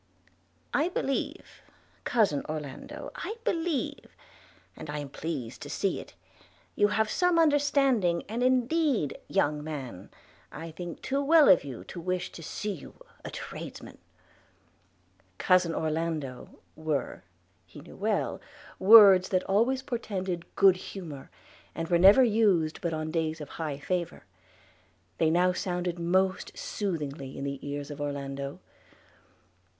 'I believe, cousin Orlando, I believe – and I am pleased to see it – you have some understanding; and indeed, young man, I think too well of you to wish to see you a tradesman.' 'Cousin Orlando,' were, he well knew, words that always portended good humour, and were never used but on days of high favour. They now sounded most soothingly in the ears of Orlando.